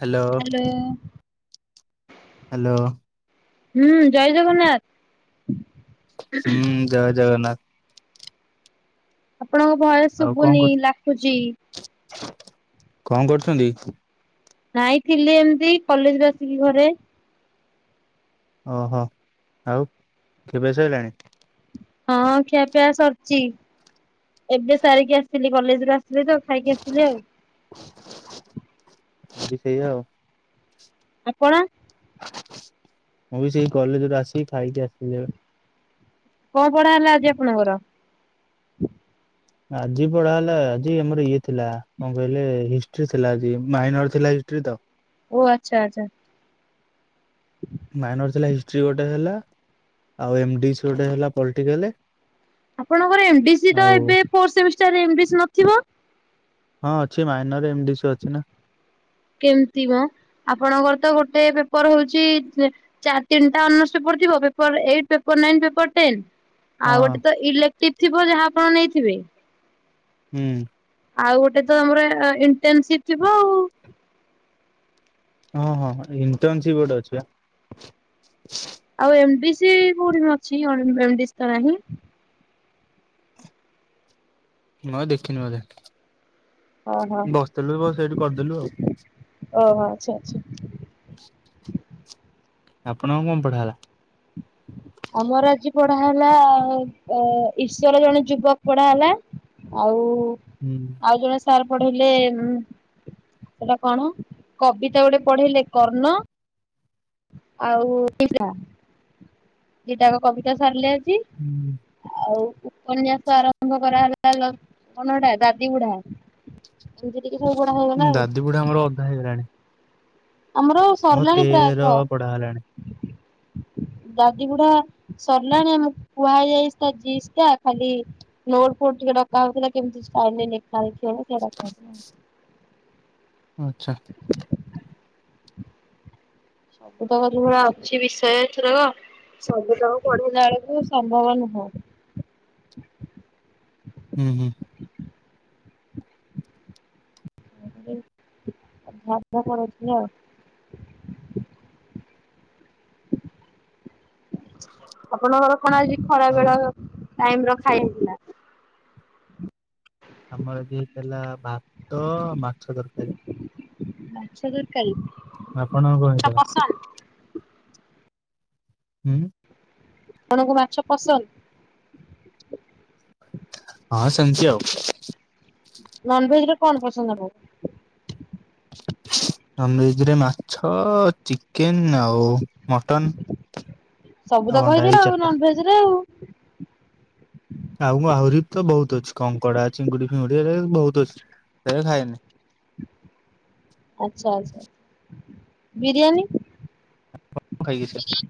Hello. Hello. ହୁଁ ଜୟ ଜଗନ୍ନାଥ। ହୁଁ ଜୟ ଜଗନ୍ନାଥ। ଆପଣଙ୍କ ଭଏସ୍‌ ଆଉ କଣ ଶୁଭୁନି କରୁ ଲାଖୁଛି। କଣ କରୁଛନ୍ତି? ନାଇଁ ଥିଲି ଏମିତି କଲେଜରୁ ଆସିକି ଘରେ। ଓହୋ ଆଉ ଖିଆପିଆ ସଇଲାଣି? ହଁ ଖିଆପିଆ ସରିଚି। ଏବେ ସାରିକି ଆସିଲି କଲେଜରୁ ଆସି ଆସିଲି ତ ଖାଇକି ଆସିଲି ଆଉ। ବି ସେଇ ଆଉ। ଆପଣ? ମୁଁ ବି ସେଇ କଲେଜରୁ ଆସିକି ଖାଇକି ଆସିଲି ଏବେ। କଣ ପଢା ହେଲା ଆଜି ଆପଣଙ୍କର? ଆଜି ପଢା ହେଲା ଆଜି ଆମର ଇଏ ଥିଲା କଣ କହିଲେ ହିଷ୍ଟ୍ରି ଥିଲା ଆଜି ମାଇନର ଥିଲା ହିଷ୍ଟ୍ରି ତ। ଓ ଆଚ୍ଛା ଆଚ୍ଛା। ମାଇନର ଥିଲା ହିଷ୍ଟ୍ରି ଗୋଟେ ହେଲା। ଆଉ ଏମ ଡିସ୍‌ ଗୋଟେ ହେଲା ପଲଟିକାଲ। ଆପଣଙ୍କର ଏମ ଡି ସି ତ ଏବେ ଫୋର ସେମିଷ୍ଟାରରେ ଏମ୍ ଡି ସି ନଥିବ। ହଁ ଅଛି ମାଇନରରେ ଏମ ଡି ସି ଅଛି ନା। କେମିତି ମ ଆପଣଙ୍କର ତ ଗୋଟେ ପେପର ହୋଉଛି ଚାର ତିିଟା ଅନର୍ସ ପେପର ଥିବ paper eight, paper nine, paper ten. ଆଉ ହଁ ଗୋଟେ ତ ଇଲେକ୍ଟିଭ ଥିବ ଯାହା ଆପଣ ନେଇଥିବେ। ହୁଁ। ଆଉ ଗୋଟେ ତ ଆମର ଇଣ୍ଟେନସିପ ଥିବ ଆଉ। ହଁ ହଁ ଇଣ୍ଟର୍ନସିପ୍ ଗୋଟେ ଅଛି ବା। ଆଉ ଏମ ଡି ସି କୋଉଠିମ ଅଛି ଏମ ଡି ସି ତ ନାହିଁ। ମୁଁ ଆଉ ଦେଖିନି ବୋଧେ। ଓହୋ ବସିଥିଲୁ ବ ସେଇଠି କରିଦେଲୁ ଆଉ। ଓହୋ ଆଚ୍ଛା ଆଛା। ଆପଣଙ୍କ କଣ ପଢା ହେଲା? ଆମର ଆଜି ପଢା ହେଲା ଅ ଈଶ୍ୱର ଜଣେ ଯୁବକ ପଢା ହେଲା। ଆଉ ହୁଁ ଆଉ ଜଣେ ସ ସାର୍ ପଢେଇଲେ ସେଟା କଣ କବିତା ଗୋଟେ ପଢେଇଲେ କର୍ଣ୍ଣ। ଆଉ [inaudible] ଦିଟାକ କବିତା ସାରିଲେ ଆଜି। ହୁଁ। ଆଉ ଉପନ୍ୟାସ ଆରମ୍ଭ କରାହେଲା ଯୋଉ କଣ ହେଟା ଦାଦି ବୁଢ଼ା। ଏମିତି ଟିକେ ସବୁ ପଢା ହେଇ ଗଲା ଆଉ ସେଗୁଡା ଆମର ଅଧା ହେଇଗଲାଣି। ଆମର ହଁ ସରିଲାଣି ତେର ପଢା ହେଲାଣି। ଦାଦି ବୁଢା ସରିଲାଣି ଆମ କୁହା ହେଇଯାଇଛି ଜିସ୍ ଟା ଖାଲି ନୋଟ ଫୋଟ ଟିକେ ଡକା ହେଉଥିଲା କେମିତି ଷ୍ଟାଇଲ ରେ ଲେଖା ଲେଖିହବ ଟିକେ ଡକା ହଉଥିଲା। ଆଚ୍ଛା [unintelligible] ଅଛି ବିଷୟ ଏଥରକ। ସବୁତକ ପଢିଲା ବେଳକୁ ସମ୍ଭବ ନୁହଁ। ହୁଁ ହୁଁ [unintelligible] ଆଉ ଆପଣଙ୍କର କଣ ଆଜି ଖରା ଆଉ ବେଳ? ଟାଇମ ରଖା ହେଇଥିଲା ଆମର ଆଜି ହେଇଥିଲା ଭାତ ମାଛ ତରକାରୀ। ମାଛ ତରକାରୀ, ଆପଣଙ୍କର କଣ ମାଛ ହେଇଥିଲା? ପସନ୍ଦ ହୁଁ। ଆପଣଙ୍କୁ ମାଛ ପସନ୍ଦ? ହଁ ସେମିତି ଆଉ। ନନଭେଜରେ କଣ ପସନ୍ଦ ଆପଣକୁ? ନନଭେଜ ରେ ମାଛ ଚିକେନ ଆଉ ମଟନ ସବୁ ତ ଆଉ ଅଣ୍ଡା କହିଦେଲ ଏଇ ଚାରିଟା। [unintelligible] ଆଉ ମୁ ଆହୁରି ବି ତ ବହୁତ ଅଛି କଙ୍କଡା, ଚିଙ୍ଗୁଡି ଫିଙ୍ଗୁଡି ଏ ବହୁତ ଅଛି ସେଇୟା ଖାଏନି। ଆଚ୍ଛା ଆଚ୍ଛା ବିରିୟାନୀ? ମୁଁ [unintelligible]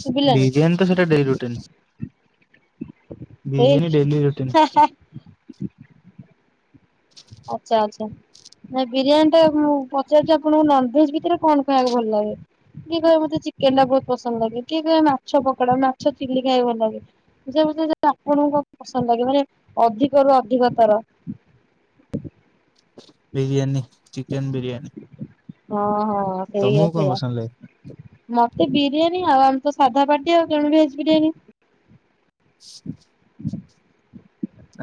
ଶୁଭିଲାନି ବିରିୟାନି ତ ସେଟା ଡେଲି ରୁଟିନ୍। ଏଇ ବିରିୟାନୀ ଡେଲି ରୁଟିନ। ହା ହା ଆଚ୍ଛା ଆଚ୍ଛା। ନାଇଁ ବିରିୟାନୀ ଟା ମୁଁ ପଚାରୁଛି ଆପଣଙ୍କୁ ନନଭେଜ ଭିତରେ କଣ ଖାଇବାକୁ ଭଲ ଲାଗେ? କିଏ କହେ ମୋତେ ଚିକେନ ଟା ବହୁତ ପସନ୍ଦ ଲାଗେ କିଏ କହେ ମାଛ ପକଡା, ମାଛ ଚିଲି ଖାଇବାକୁ ଭଲ ଲାଗେ। ସେ ଭିତରୁ ଆପଣଙ୍କୁ ପସନ୍ଦ ଲାଗେ ମାନେ ଅଧିକରୁୁ ଅଧିକ ତର? ବିରିୟାନୀ ଚିକେନ ବିରିୟାନୀ। ହଁ ହଁ ସେଇଆ ତମକୁ କଣ ସେଇଆ। ପସନ୍ଦ ଲାଗେ ମୋତେ ବିରିୟାନୀ ଆଉ ଆମେ ତ ସାଧା ପାଟି ଆଉ ତେଣୁ ଭେଜ ବିରିୟାନୀ। [unintelligible]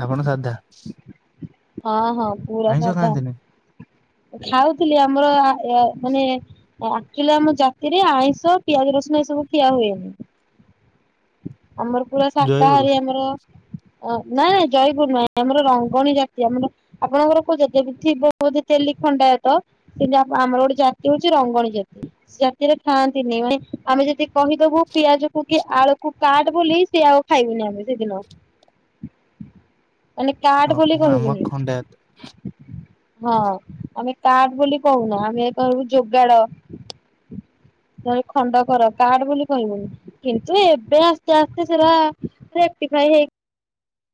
ଆପଣ ସାଧା? ହଁ ହଁ ପୁରା ଆଇଁଷ ସାଧା ଖାଆନ୍ତିନି ଖାଉଥିଲି ଆମର ଏ ମାନେ ଆକଚୁଲି ଆମ ଜାତିରେ ଆଇଁଷ ପିଆଜ ରସୁଣ ଏସବୁ ଖିଆ ହୁଏନି। [inaudible] ଆମର ପୁରା ଜୟଗୁରୁ। ଶାକାହାରୀ ଆମର। ନାଇ ନାଇଁ ଜୟପୁର ନହିଁ ଆମର ରଙ୍ଗଣୀ ଜାତି ଆମର ଆପଣଙ୍କର କୋଉ ଜାତି ଥିବ ବୋଧେ ତେଲି ଖଣ୍ଡାୟତ? ସେମିତି ଆମର ଗୋଟେ ଜାତି ହଉଛି ରଙ୍ଗଣୀ ଜାତି। ରାତିରେ ଖାଆନ୍ତିନି ମାନେ ଆମେ ଯଦି କହିଦବୁ ପିଆଜ କୁ କି ଆଳୁକୁ କାଟ ବୋଲି ସେ ଆଉ ଖାଇବେନି ଆଉ ସେଦିନ। [inaudible] ମାନେ କାର୍ଟ ବୋଲି ଓହୋ ଆମର କହିବୁନି ଖଣ୍ଡା ଭାତ ହଁ। ଆମେ କାଟ ବୋଲି କହୁନା ଆମେ କହିବୁ ଯୋଗାଳ। ନ ହେଲେ ଖଣ୍ଡ କର କାଟ ବୋଲି କହିବୁନି। କିନ୍ତୁ ଏବେ ଆସ୍ତେ ଆସ୍ତେ ସେରା ରେକ୍ଟିଫ୍ଲାଏ ହେଇ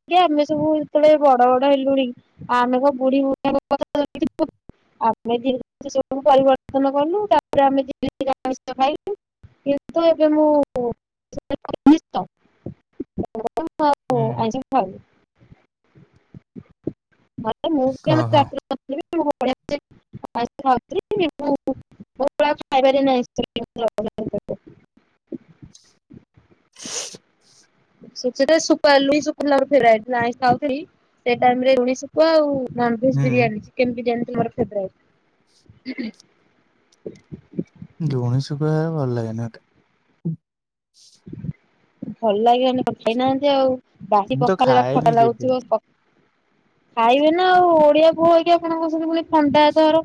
ଆଜ୍ ଆମେ ସବୁ ଯେତେବେଳେ ବଡ ବଡ ହେଲୁଣି ଆଉ ଆମେ ସବୁ ବୁଢୀ ବୁଢୀଙ୍କ। [unintelligible] ଆମେ ଦି ଭଉଣୀ ସବୁ ପରିବର୍ତ୍ତନ କଲୁ ତାପରେ [unintelligible] ଆମେ ଖାଇଲୁ। କିନ୍ତୁ ଏବେ ମୁଁ। [unintelligible] ହୁଁ। ମାନେ ମୁବି ଆମ ଓହୋ ଜାତିରେ। [unintelligible] [unintelligible] ଖାଇପାରି ବନି ଆଇଁଷ [inaudible] [unintelligible] ଖାଉ ଥିଲିସେ ଟାଇମରେ ଲୁଣିଶୁଖୁଆ ଆଉ ନନ ଭେଜ ବିରିୟାନୀ ହୁଁ ଚିକେନ ବିରିୟାନୀ ତୁମର ଫେଭରେଟ? ଲୁଣି ଶୁଖୁଆ ଭଲ ଲାଗେନି ମତେ। ଭଲ ଲାଗିବନି କେବେ ଖାଇନାହାନ୍ତି ଆଉ ବସି ମୁଁ ତ ପଖାଲା ଯୋଟା ଖାଏନି ଖଟା କେବେ ଲାଗୁଥିବ ଖାଇବେ ନା ଆଉ ଓଡିଆ ପୁଅ ହେଇକି ଆପଣ କହୁଛନ୍ତି ବୋଲି ଖଣ୍ଡାୟତ ଘର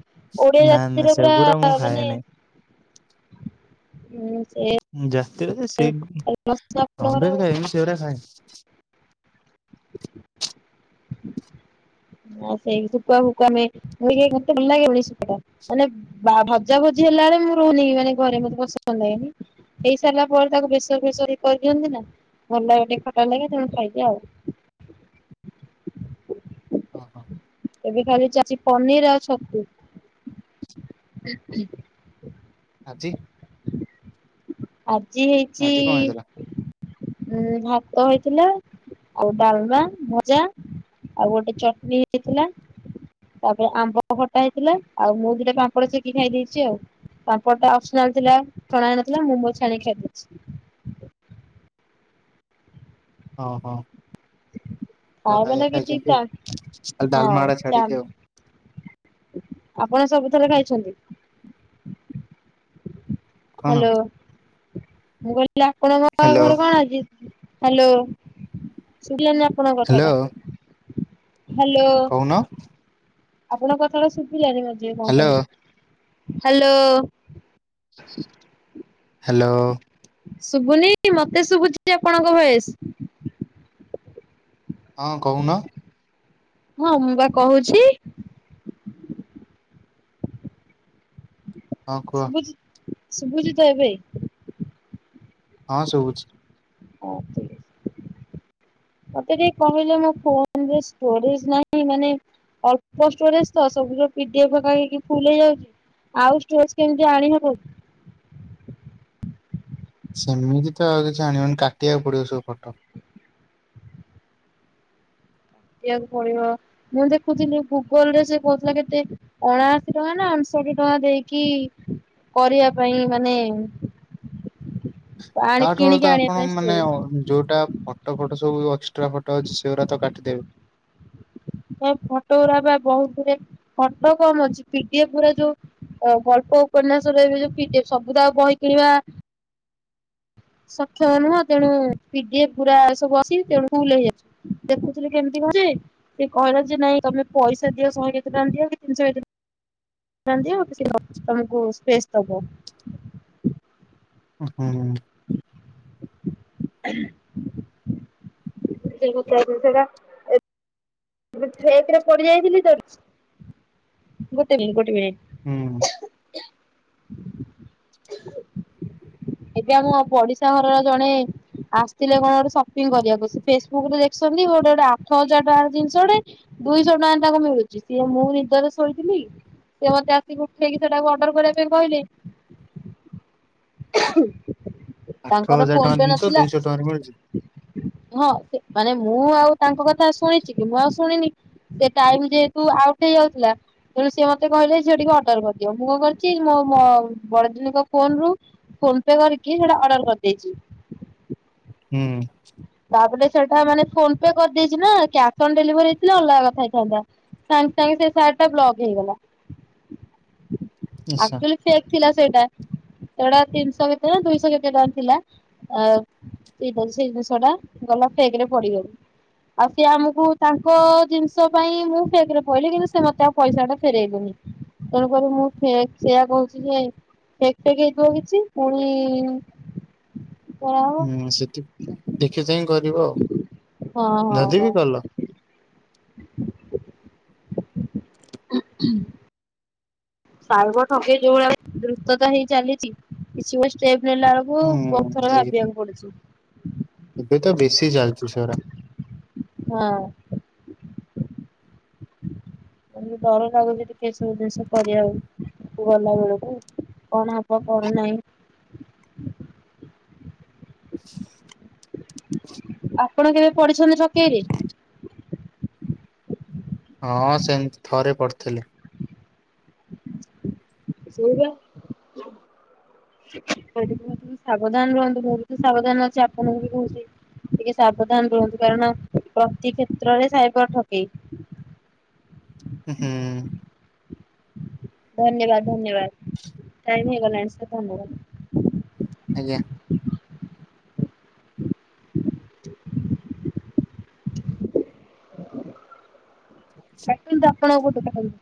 ଓଡ଼ିଆ ନା ନା ଜାତିରେ ସେଗୁରା ପୁରା ମୁଁ ମାନେ ଖାଏନି। ହୁଁ ସେ ଜାତି [inaudible] ସେ ଆପଣଙ୍କର ନନଭେଜ ଖାଏକି ସେଗୁଡା ଖାଏ। ହଁ ସେଇ ଶୁଖୁଆ ଫୁକୁଆ [inaudible] ମତେ ଭଲ ଲାଗେଣି ଶୁଖୁଆ ମାନେ ବା ଭଜା ଭଜି ହେଲା ବେଳେ ମୁଁ ରହୁନି ମାନେ ଘରେ ମତେ ପସନ୍ଦ ନାହିଁ। ହେଇ ସାରିଲା ପରେ ତାକୁ ବେସର ଫେସର କରିଦିଅନ୍ତି ନା ଭଲ ଲାଗେ ଟିକେ ଖରା ଲାଗେ ତେଣୁ ଖାଇଦି ଆଉ। ଅ ହ। ଏବେ ଖାଲି ଚାଲିଛି ପନିର ଆଉ ଛତୁ। ହଁ ହଁ। ଆଜି ଆଜି ହେଇଛି ଆଜି କଣ ହେଇଥିଲା? ଉନ୍ ଭାତ ହେଇଥିଲା ଆଉ ଡାଲମା ଭଜା ଆଉ ଗୋଟେ ଚଟଣି ହେଇଥିଲା ତାପରେ ଆମ୍ବ ଖଟା ହେଇଥିଲା ଆଉ ମୁଁ ଦିଟା ପାମ୍ପଡ଼ ଚେକି ଖାଇ ଦେଇେଛି ଆଉ ପାମ୍ପଡ଼ ଟା ଅ ସ୍ନାଲ ଥିଲା ଛଣା ହେଇନଥିଲା ମୁଁ ମୋ ଚ୍ଛାଣୀ ଖାଇଦେଇଛି। ହଁ ହଁ ଭଲ ଖାଇବା ଲାଗି ଠିକ ଖାଇଛନ୍ତି ଆଉ ଖାଲି ଡାଲମାଟା ହଁ ଛାଡିକି ଆଉ। ଆପଣ ସବୁଥରେ ଖାଇଛନ୍ତି? କଣ ହ୍ୟାଲୋ। ମୁଁ କହିଲି ଆପଣଙ୍କ ହ୍ୟାଲୋ ଘରେ କଣ ଆଜି? ହ୍ୟାଲୋ ଶୁବିଲାନି ଆପଣଙ୍କ କଥା ହ୍ୟାଲୋ ଟା। ହ୍ୟାଲୋ। କଣ? ଆପଣଙ୍କ କଥାଟା ସୁବିଲାନି ମଝିରେ କଣ ହ୍ୟାଲୋ କହିଲେ। ହ୍ୟାଲୋ। ହ୍ୟାଲୋ। ଶୁଭୁନି ମତେ ଶୁଭୁଛି ଆପଣଙ୍କ ଭଏସେ। ହଁ କହୁନ? ହଁ ମୁଁ ବା କହୁଛି। ହଁ କୁହ ଶୁଭୁଛି ଶଭୁଛି ତ ଏବେ? ହଁ ଶୁବୁଛି। ହଁ ସେ ମତେ ଟିକେ କହିଲେ ମୋ ଫୋନରେ ଷ୍ଟୋରେଜ ନାହିଁ ମାନେ ଅଳ୍ପ ଷ୍ଟୋରେଜ ତ ସବୁ ଯୋଉ ପୀଡିଫ କରିକିଫୁଲ ହେଇଯାଉଛି ଆଉ ଷ୍ଟୋରେଜ କେମିତି ଆଣି ହବ କି? ସେମିତି ତ ଆଉ କିଛି ଆଣିବନି କାଟିବାକୁ ପଡିବ ସବୁ ଫଟୋ। କାଟିବାକୁ ପଡିବ ମୁଁ ଦେଖୁଥିଲି ଗୁଗଲ ରେ ସେ କହୁଥିଲା କେତେ ଅଣାଅଶୀ ଟଙ୍କା ନା ଅଣଷଠି ଟଙ୍କା ଦେଇକି କରିବା ପାଇଁ ମାନେ ଆଣି ତାଠୁ କିଣିକି ତ ଆଣିବା ଆପଣ ପାଇଁ ମାନେ ଷ୍ଟୋରେଜ ଯୋଉଟା ଫଟୋ ଫଟୋ ସବୁ ଏକ୍ସଟ୍ରା ଫଟୋ ଅଛି ସେରା ତ କାଟିଦେବେ। ଏ ଫଟୋ ଗୁରା ବା ବହୁତ ଗୁରେ [unintelligible] ପିଡିଏଫ୍ ଗୁରା ଯୋଉ ଅ ଗଳ୍ପ ଉପନ୍ୟାସ ରେ ବି ଯୋଉ ପିଡିଏଫ୍, ସବୁ ଆଉ ବହି କିଣିବା ସକ୍ଷମ ନୁହଁ। ତେଣୁ ପିଡିଏଫ୍ ଗୁରା ସବୁ ଅଛି। ତେଣୁୁ ଫୁଲ୍ ହେଇଯାଉଚି। ଦେଖୁଥିଲି କେମିତି ଘରେ, ସେ କହିଲା ଯେ ନାଇଁ ତମେ ପଇସା ଦିଅ ଶହେ କେତେ ଟଙ୍କା ଦିଅ କି ତିନିଶହ ଏକ ଟଙ୍କା ଦିଅ, ତମକୁ ସ୍ପେସ୍ ଦବ। ଅ ହଁ। [unintelligible] ଗୋଟେ ଫେକ୍ ରେ ପଡି ଯାଇଥିଲି ତ, ଗୋଟେ ମିନିଟ୍ ଗୋଟେ ମିନିଟ୍ ହୁଁ। [inaudible] [unintelligible] ଏବେ ଆମ ପଡିଶା ଘରର ଜଣେ ଆସିଥିଲେ କଣ ଗୋଟେ ସପିଂ କରିବାକୁ। ସେ ଫେସବୁକ୍ ରେ ଦେଖିଛନ୍ତି ଗୋଟେ ଗୋଟେ ଆଠ ହଜାର ଟଙ୍କାର ଜିନିଷ ଟେ ଦୁଇଶହ ଟଙ୍କା ରେ ତାଙ୍କୁ ମିଳୁଚି। ସିଏ ମୁଁ ନିଦରେ ଶୋଇଥିଲି ସେ ମତେ ଆସିକି ଉଠେଇକି ସେଟାକୁ ଅର୍ଡର କରିବା ପାଇଁ କହିଲେ। ଆଠ ତାଙ୍କର ହଜାର ଫୋନ୍ ଟଙ୍କା ପେ ଜିନିଷ ନଥିଲା। ଦୁଇଶହ ଟଙ୍କାରେ ମିଳୁଛି ନୁହଁ, ମାନେ ମୁଁ ଆଉ ତାଙ୍କ କଥା ଶୁଣିଚି କି ମୁଁ ଆଉ ଶୁଣିନି। ସେ ଟାଇମ୍ ଯେହେତୁ ଆଉଟ୍ ହେଇ ଯାଉଥିଲା ତେଣୁ ସିଏ ମତେ କହିଲେ ଝିଅ ଟିକେ ଅର୍ଡର କରିଦିଅ। ମୁଁ କଣ କରିଛି ମୋ ମୋ ବଡଦିଦି ଙ୍କ ଫୋନ୍ ରୁ ଫୋନ୍ ପେ କରିକି ସେଟା ଅର୍ଡର କରିଦେଇଚି। ହୁଁ। ତାପରେ ସେଟା ମାନେ ଫୋନ୍ ପେ କରିଦେଇଚି ନା କ୍ୟାସ୍ ଅନ୍ ଡେଲିଭରି ହେଇଥିଲେ ଅଲଗା କଥା ହେଇଥାନ୍ତା। ସାଙ୍ଗେ ସାଙ୍ଗେ ସେ ସାର୍ଟ ଟା ବ୍ଲକ୍ ହେଇଗଲା। ଆଚ୍ଛା। ଆକ୍ଚୁଆଲି ଫେକ୍ ଥିଲା ସେଇଟା। ସେଇଟା ତିନିଶହ କେତେ ନା ଦୁଇଶହ କେତେ ଟଙ୍କା ଥିଲା। ଆ [unintelligible] ସେଇ ଜିନିଷ ଟା ଗଲା ଫେକ୍ ରେ ପଡିଗଲି। ଆଉ ସିଏ ଆମକୁ ତାଙ୍କ ଜିନିଷ ପାଇଁ ମୁଁ ଫେକ୍ ରେ ପଇଲି କିନ୍ତୁ ସେ ମତେ ଆଉ ପଇସା ଟା ଫେରେଇଲେନି। ତେଣୁକରି ମୁଁ ଫେକ୍ ସେୟା କହୁଚି ଯେ ଫେକ୍ ଫେକ୍ ହେଇଥିବ କିଛି ପୁଣି କରାହବ ହୁଁ ସେଥି ଦେଖିଚାହିଁ କରିବ ଆଉ। ହଁ ହଁ ଯଦି ହଁ। ବିି କଲ। [inaudible] ସାଇବର ଠକେଇ ଯୋଉ ଭଳିଆ ଦ୍ରୁତତା ହେଇ ଚାଲିଚି କିଛି ବି ଷ୍ଟେପ୍ ନେଲା ବେଳକୁ ହୁଁ କୁ ବହୁତ୍ ଥର ଏ ଭାବିବାକୁ ପଡୁଚି। ଏବେ ତ ବେଶୀ ଚାଲିଚି ସେଉରା। ହଁ। ଭାରି ଡର ଲାଗୁଚି ଟିକେ ଏସବୁ ଜିନିଷ କରିଆକୁ ଗଲା ବେଳକୁ। କଣ ହବ କଣ ନାଇଁ। ଆପଣ କେବେ ପଡିଛନ୍ତି ଠକେଇରେ? ହଁ ସେନ୍ତି ଥରେ ପଡିଥିଲି। [unintelligible] [unintelligible] ସାବଧାନ ରୁହନ୍ତୁ, ମୁଁ ବି ତ ସାବଧାନ ଅଛି ଆପଣଙ୍କୁ ବି କହୁଚି। ଟିକେ ସାବଧାନ ରୁହନ୍ତୁ କାରଣ ପ୍ରତି କ୍ଷେତ୍ରରେ ସାଇବର ଠକେଇ। [unintelligible] ଧନ୍ୟବାଦ୍ ଧନ୍ୟବାଦ୍। ଟାଇମ୍ ହେଇଗଲାଣି ସାର୍ ଧନ୍ୟବାଦ୍। ଆଜ୍ଞା। କାଟନ୍ତୁ ଆପଣ ଙ୍କ ପଟୁ କାଟନ୍ତୁ।